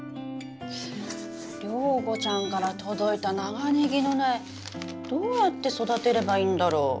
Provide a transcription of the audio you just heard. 良子ちゃんから届いた長ネギの苗どうやって育てればいいんだろう。